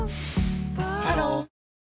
ハロー